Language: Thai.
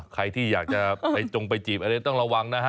ใครที่อยากจะไปจงไปจีบอันนี้ต้องระวังนะฮะ